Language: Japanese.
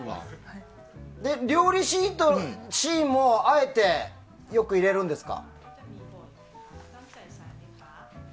料理シーンもあえてよく入れるんですか？